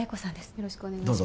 よろしくお願いします